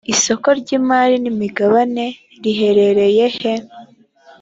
isoko ry imari n imigabaneriheherereye he